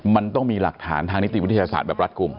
มันต้องมีหลักฐานทางนิติวิทยาศาสตร์แบบรัฐกลุ่ม